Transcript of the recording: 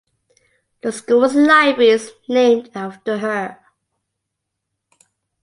The school's library is named after her.